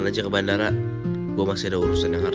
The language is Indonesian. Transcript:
coba pernah lihat